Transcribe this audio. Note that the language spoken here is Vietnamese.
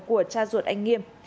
của cha ruột anh nghiêm